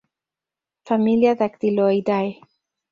Familia Dactyloidae